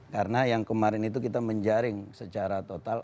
karena yang kemarin itu kita menjaring secara total